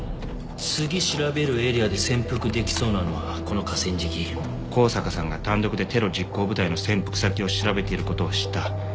次調べるエリアで潜伏できそうなのはこの河川敷香坂さんが単独でテロ実行部隊の潜伏先を調べていることを知った。